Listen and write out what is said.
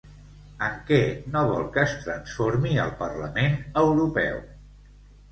En què no vol que es transformi el Parlament Europeu?